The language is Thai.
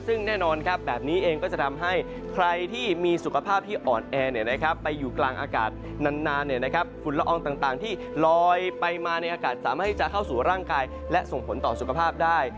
ซึ่งแน่นอนครับแบบนี้เองก็จะทำให้ใครที่มีสุขภาพที่อ่อนแอไปอยู่กลางอากาศนานฝุ่นละอองต่างที่ลอยไปมาในอากาศสามารถที่จะเข้าสู่ร่างกายและส่งผลต่อสุขภาพได้